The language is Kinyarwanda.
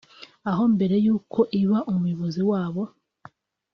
aho mbere y’uko iba umuyobozi wabo